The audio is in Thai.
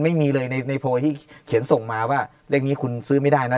ไม่มีเลยในโพยที่เขียนส่งมาว่าเลขนี้คุณซื้อไม่ได้นะ